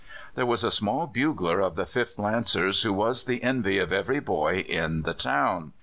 There was a small bugler of the 5th Lancers who was the envy of every boy in the town.